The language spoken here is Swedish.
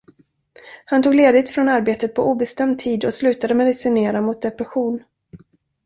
Han tog ledigt från arbetet på obestämd tid och slutade medicinera mot depression.